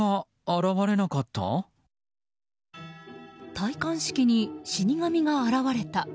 戴冠式に死神が現れた。